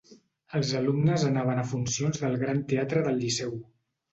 Els alumnes anaven a funcions del Gran Teatre del Liceu.